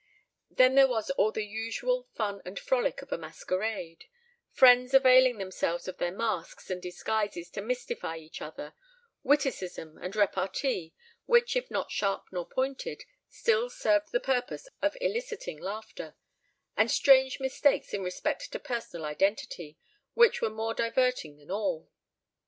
Then there was all the usual fun and frolic of a masquerade;—friends availing themselves of their masks and disguises to mystify each other,—witticism and repartee, which if not sharp nor pointed, still served the purpose of eliciting laughter,—and strange mistakes in respect to personal identity, which were more diverting than all.